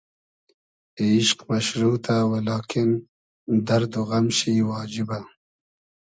ایشق مئشروتۂ و لاکین دئرد و غئم شی واجیبۂ